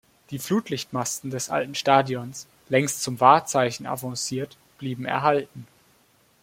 Die Flutlichtmasten des alten Stadions, längst zum Wahrzeichen avanciert, blieben erhalten.